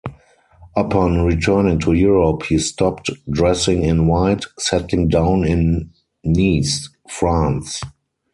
Upon returning to Europe he stopped dressing in white, settling down in Nice, France.